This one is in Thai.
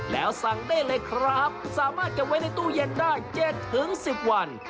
แล้วสั่งได้เลยครับสามารถเก็บไว้ในตู้เย็นได้๗๑๐วัน